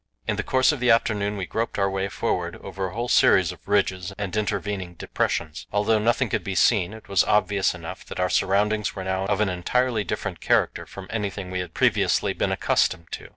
In the course of the afternoon we groped our way forward over a whole series of ridges and intervening depressions. Although nothing could be seen, it was obvious enough that our surroundings were now of an entirely different character from anything we had previously been accustomed to.